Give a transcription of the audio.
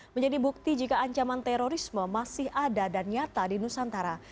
menjadi bukti jika ancaman terorisme masih ada dan nyata di nusantara